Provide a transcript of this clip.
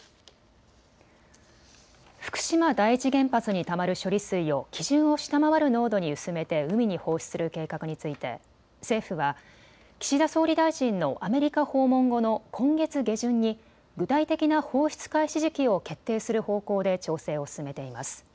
福島第一原発にたまる処理水を基準を下回る濃度に薄めて海に放出する計画について政府は岸田総理大臣のアメリカ訪問後の今月下旬に具体的な放出開始時期を決定する方向で調整を進めています。